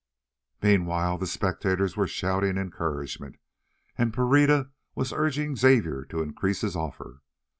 Meanwhile the spectators were shouting encouragement, and Pereira was urging Xavier to increase his offer.